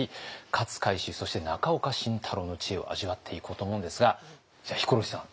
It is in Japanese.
勝海舟そして中岡慎太郎の知恵を味わっていこうと思うんですがじゃあヒコロヒーさん。